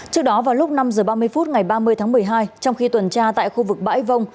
trước đó vào lúc năm h ba mươi phút ngày ba mươi tháng một mươi hai trong khi tuần tra tại khu vực bãi vông